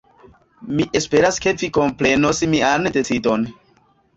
Mi esperas ke vi komprenos mian decidon.